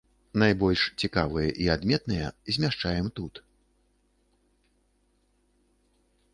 Найбольш цікавыя і адметныя змяшчаем тут.